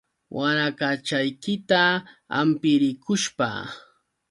Warakachaykita hapirikushpa.